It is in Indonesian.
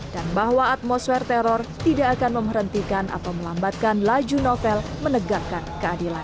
dan bahwa atmosfer teror tidak akan memerhentikan atau melambatkan laju novel menegakkan keadilan